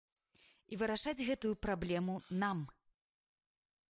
І вырашаць гэтую праблему нам!